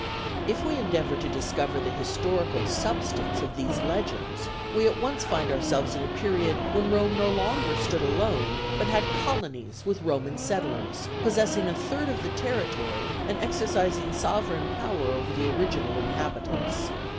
If we endeavor to discover the historical substance of these legends, we at once find ourselves in a period when Rome no longer stood alone, but had colonies with Roman settlers, possessing a third of the territory and exercising sovereign power over the original inhabitants.